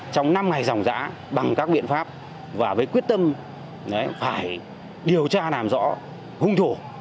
trong năm ngày dòng giã bằng các biện pháp và với quyết tâm phải điều tra làm rõ hung thủ